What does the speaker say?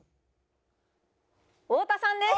太田さんです！